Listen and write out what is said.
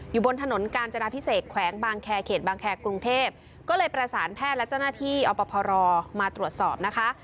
อยู่บนถนนกาญจนาพิเศษแขวงบางแคร์เขตบางแครกรุงเทพก็เลยประสานแพทย์และเจ้าหน้าที่อพรมาตรวจสอบนะคะ